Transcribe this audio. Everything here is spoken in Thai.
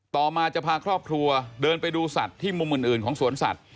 ต่อมาจะพาครอบครัวเดินไปดูสัตว์ที่มุมอื่นของสวนสัตว